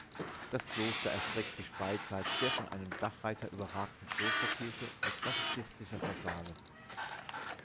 Das Kloster erstreckt sich beidseits der von einem Dachreiter überragten Klosterkirche mit klassizistischer Fassade.